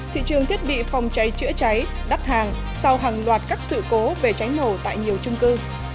thị trường thiết bị phòng cháy chữa cháy đắt hàng sau hàng loạt các sự cố về cháy nổ tại nhiều trung cư